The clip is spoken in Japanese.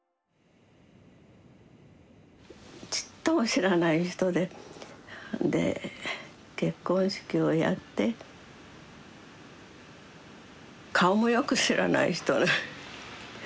ちっとも知らない人でで結婚式をやって顔もよく知らない人。